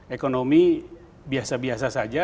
ekonomi biasa biasa saja